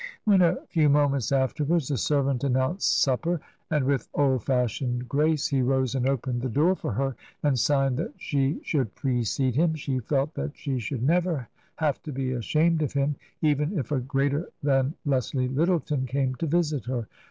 When a few moments afterwards the servant announced "Supper," and with old fashioned grace he rose and opened the door i6 TRANSITION. for her and signed that she should precede him, she felt that she should never have to be ashamed of him, even if a greater than Leslie Lyttleton came to visit her.